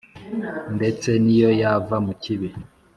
ndetse n’iyo yava mu kibi.»